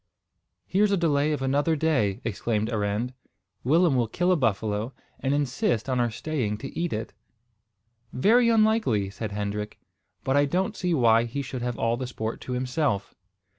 "Here's a delay of another day," exclaimed Arend. "Willem will kill a buffalo, and insist on our staying to eat it." "Very likely," said Hendrik; "but I don't see why he should have all the sport to himself."